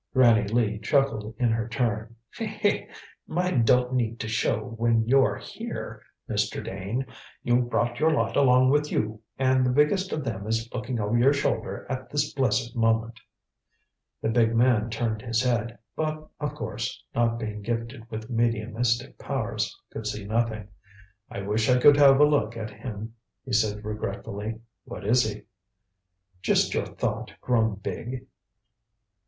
Granny Lee chuckled in her turn. "Mine don't need to show when you're here, Mr. Dane. You've brought your lot along with you, and the biggest of them is looking over your shoulder at this blessed moment." The big man turned his head, but, of course, not being gifted with mediumistic powers, could see nothing. "I wish I could have a look at him," he said regretfully. "What is he?" "Just your thought grown big."